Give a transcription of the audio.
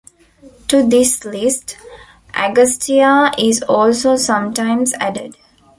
To this list, Agastya is also sometimes added.